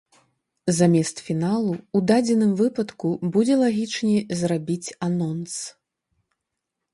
Замест фіналу ў дадзеным выпадку будзе лагічней зрабіць анонс.